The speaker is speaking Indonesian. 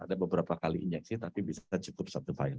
ada beberapa kali injeksi tapi bisa cukup satu file